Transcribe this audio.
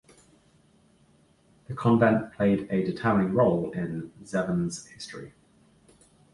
The convent played a determining role in Zeven's history.